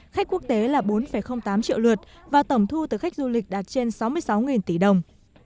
khách quốc tế là bốn tám triệu lượt và tổng thu từ khách du lịch đạt trên sáu mươi sáu tỷ đồng